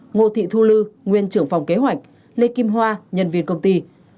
ngô thị thu lư nguyên trưởng phòng kế hoạch lê kim hoa nhân viên công ty